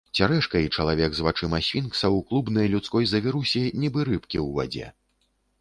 Цярэшка і чалавек з вачыма сфінкса ў клубнай людской завірусе, нібы рыбкі ў вадзе.